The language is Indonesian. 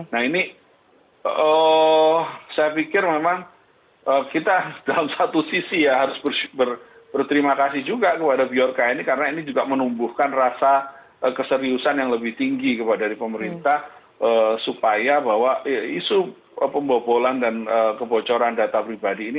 nah ini saya pikir memang kita dalam satu sisi ya harus berterima kasih juga kepada bjorka ini karena ini juga menumbuhkan rasa keseriusan yang lebih tinggi dari pemerintah supaya bahwa isu pembobolan dan kebocoran data pribadi ini